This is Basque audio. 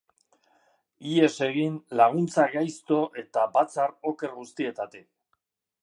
Ihes egin laguntza gaizto eta batzar oker guztietatik.